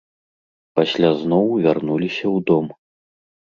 Пасля зноў вярнуліся ў дом.